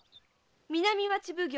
南町奉行